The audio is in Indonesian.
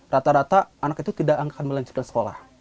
rata rata anak itu tidak akan melanjutkan sekolah